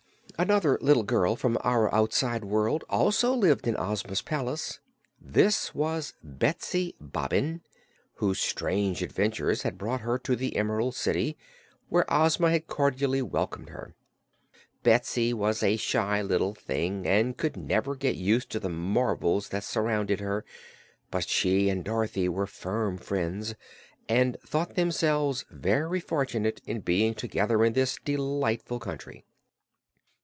Another little girl from our outside world also lived in Ozma's palace. This was Betsy Bobbin, whose strange adventures had brought her to the Emerald City, where Ozma had cordially welcomed her. Betsy was a shy little thing and could never get used to the marvels that surrounded her, but she and Dorothy were firm friends and thought themselves very fortunate in being together in this delightful country.